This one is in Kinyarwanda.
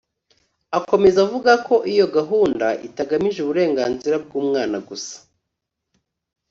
Akomeza avuga ko iyo gahunda itagamije uburengenzira bw’umwana gusa